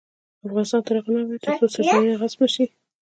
افغانستان تر هغو نه ابادیږي، ترڅو څرځایونه غصب نشي.